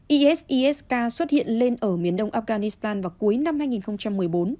isis k xuất hiện lên ở miền đông afghanistan vào cuối năm hai nghìn một mươi bốn